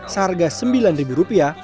seharga sembilan rupiah